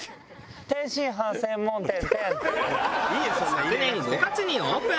昨年５月にオープン。